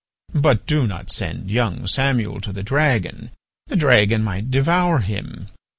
But do not send young Samuel to the dragon—the dragon might devour him.